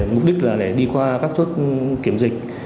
mục đích là để đi qua các chốt kiểm dịch